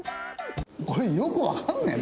これよくわかんねえな。